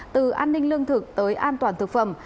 từ an ninh lương thực tới an toàn thực phẩm